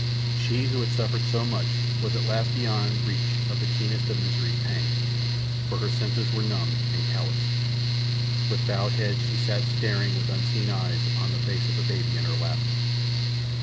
She who had suffered so much was at last beyond reach of the keenest of misery's pangs, for her senses were numbed and calloused. With bowed head she sat staring with unseeing eyes upon the face of the baby in her lap.